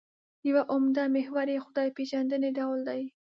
یو عمده محور یې خدای پېژندنې ډول دی.